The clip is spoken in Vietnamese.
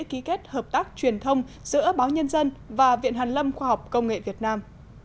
ký kết hợp tác truyền thông giữa báo nhân dân và viện hàn lâm khoa học công nghệ việt nam